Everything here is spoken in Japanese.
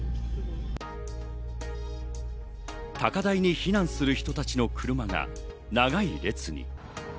高台に避難する人たちの車の長い列に。